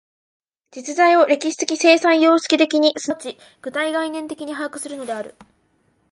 実在を歴史的生産様式的に即ち具体概念的に把握するのである。